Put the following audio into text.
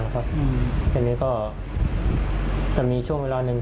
ครับผมห้องคอม